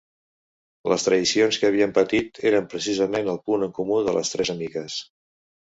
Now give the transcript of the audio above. Les traïcions que havien patit eren precisament el punt en comú de les tres amigues.